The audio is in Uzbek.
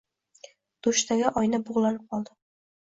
Dushdagi oyna bug'lanib qoldi.